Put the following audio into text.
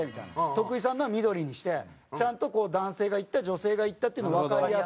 徳井さんのは緑にしてちゃんとこう男性が言った女性が言ったっていうのをわかりやすくしたり。